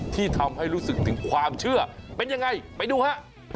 ที่ทำให้รู้สึกถึงความเชื่อเป็นยังไงไปดูฮะ